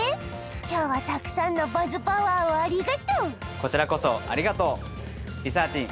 今日はたくさんのバズパワーをありがとうこちらこそありがとうリサーちん